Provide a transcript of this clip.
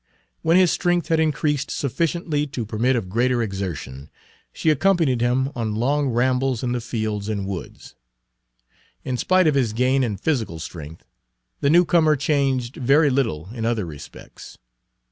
When his strength had increased sufficiently to permit of greater exertion, she accompanied him on long rambles in the fields and woods. Page 147 In spite of his gain in physical strength, the newcomer changed very little in other respects.